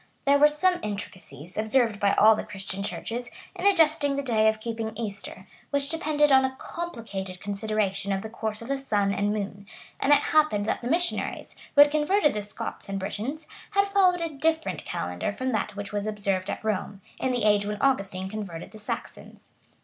There were some intricacies, observed by all the Christian churches, in adjusting the day of keeping Easter; which depended on a complicated consideration of the course of the sun and moon; and it happened that the missionaries, who had converted the Scots and Britons, had followed a different calendar from that which was observed at Rome, in the age when Augustine converted the Saxons.